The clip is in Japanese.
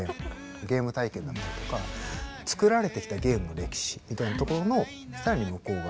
ゲーム体験だったりとかつくられてきたゲームの歴史みたいなところの更に向こう側。